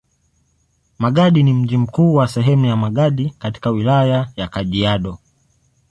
Magadi ni mji mkuu wa sehemu ya Magadi katika Wilaya ya Kajiado.